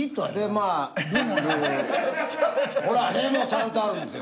ほら「レ」もちゃんとあるんですよ。